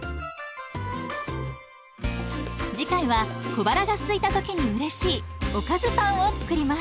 次回は小腹がすいた時にうれしいおかずパンを作ります。